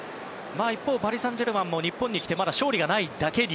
一方パリ・サンジェルマンも日本に来てまだ勝利がないだけに。